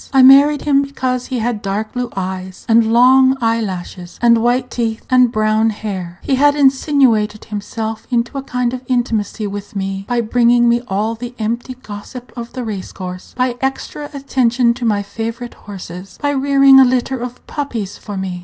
I married him because he had dark blue eyes, and long eye lashes, and white teeth, and brown hair. He had insinuated himself into a kind of intimacy with me by bringing me all the empty gossip of the race course, by extra attention to my favorite horses, by rearing a litter of puppies for me.